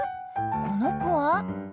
この子は？